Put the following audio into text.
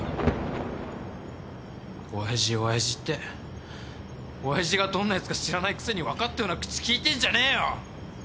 親父親父って親父がどんなやつか知らないくせに分かったような口利いてんじゃねえよ！